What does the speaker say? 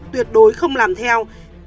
tuyệt đối không làm theo